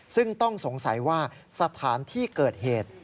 ซึ่งต้องสงสัยว่าสถานที่เกิดเหตุ